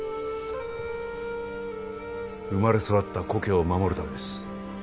生まれ育った故郷を守るためです